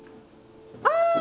ああ！